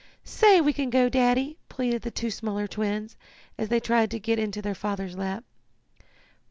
"Say we can go, Daddy!" pleaded the two smaller twins, as they tried to get into their father's lap.